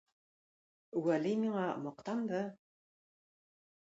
Вәли миңа мактанды.